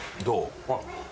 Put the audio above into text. どう？